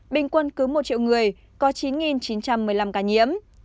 bình quân cứ một triệu người có chín chín trăm một mươi năm ca nhiễm